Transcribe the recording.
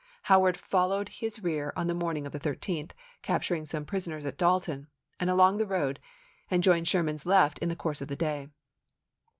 Howard fol lowed his rear on the morning of the 13th, capturing some prisoners at Dalton and along the road, and joined Sherman's left in the course of the day.